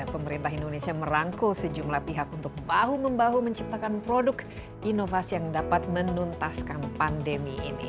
pemerintah indonesia merangkul sejumlah pihak untuk bahu membahu menciptakan produk inovasi yang dapat menuntaskan pandemi ini